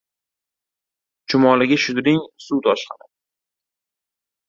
• Chumoliga shudring ― suv toshqini.